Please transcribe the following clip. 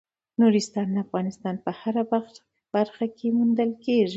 نورستان د افغانستان په هره برخه کې موندل کېږي.